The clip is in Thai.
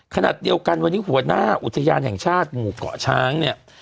ขนาดเดียวกันวันนี้หัวหน้าอุทยานแห่งชาติหมู่เกาะช้างเนี่ย